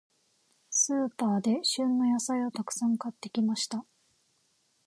スーパーで、旬の野菜をたくさん買ってきました。